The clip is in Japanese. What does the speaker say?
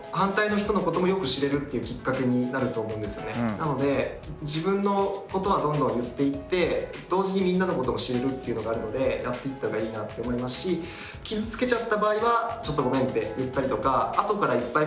なので自分のことはどんどん言っていって同時にみんなのことも知れるっていうのがあるのでやっていったほうがいいなって思いますし傷つけちゃった場合はちょっとごめんって言ったりとか後からいっぱいフォローのやり方があるので。